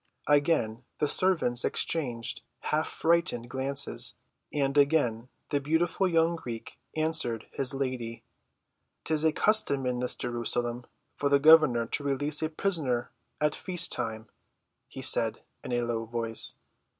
Again the servants exchanged half‐frightened glances, and again the beautiful young Greek answered his lady. "'Tis a custom in this Jerusalem for the governor to release a prisoner at feast time," he said in a low voice.